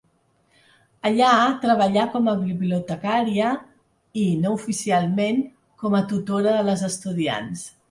Allà treballà com a bibliotecària i, no oficialment, com a tutora de les estudiants.